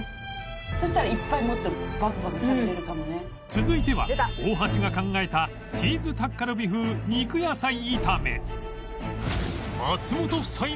続いては大橋が考えたチーズタッカルビ風肉野菜炒め